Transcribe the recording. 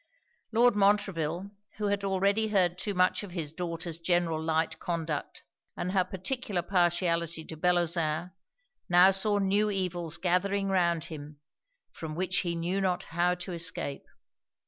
Lord Montreville, who had already heard too much of his daughter's general light conduct, and her particular partiality to Bellozane, now saw new evils gathering round him, from which he knew not how to escape.